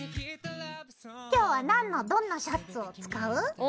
今日は何のどんなシャツを使う？